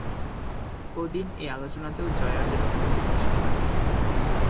কদিন এ আলোচনাতেও জয়ার যেন প্রবৃত্তি ছিল না।